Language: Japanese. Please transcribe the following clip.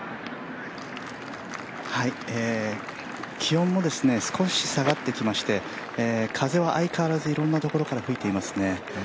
気温も少し下がってきまして風は相変わらずいろんな所から吹いてますね。